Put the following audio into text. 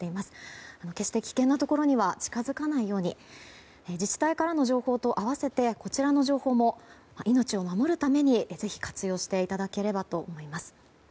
決して危険なところには近づかないように自治体からの情報と併せてこちらの情報も命を守るためにぜひ活用していただければと思います。